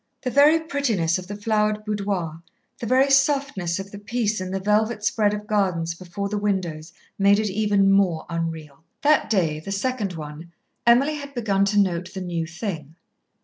The very prettiness of the flowered boudoir, the very softness of the peace in the velvet spread of garden before the windows, made it even more unreal. That day, the second one, Emily had begun to note the new thing.